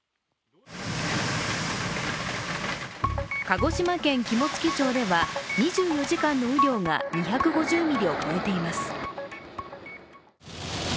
鹿児島県肝付町では２４時間の雨量が２５０ミリを超えています。